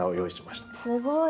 すごい！